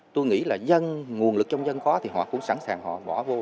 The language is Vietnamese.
tôi nghĩ là dân nguồn lực trong dân khó thì họ cũng sẵn sàng họ bỏ vô